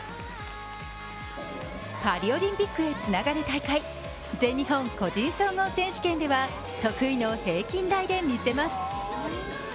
パリオリンピックへつながる大会全日本個人総合選手権では得意の平均台で見せます。